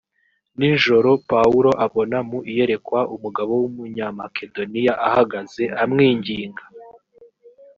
nijoro pawulo abona mu iyerekwa umugabo w’ umunyamakedoniya ahagaze amwinginga